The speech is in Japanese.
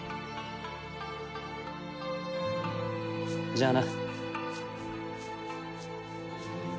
じゃあな。